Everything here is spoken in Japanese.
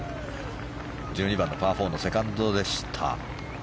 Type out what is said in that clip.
１２番のパー４のセカンドでした。